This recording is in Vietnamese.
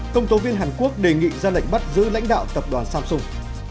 công tố viên hàn quốc đề nghị ra lệnh bắt giữ lãnh đạo tập đoàn samsung